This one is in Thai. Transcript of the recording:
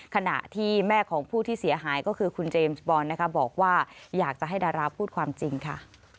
ขณะที่แม่ของผู้ที่เสียหายก็คือคุณเจมส์บอลนะคะบอกว่าอยากจะให้ดาราพูดความจริงค่ะ